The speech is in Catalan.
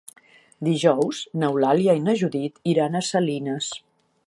Dijous n'Eulàlia i na Judit iran a Salines.